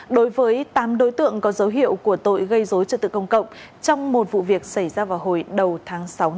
đối với tám đối tượng có dấu hiệu của tội gây dối trật tự công cộng trong một vụ việc xảy ra vào hồi đầu tháng sáu